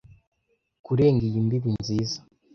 Kurenga iyi mbibi nziza,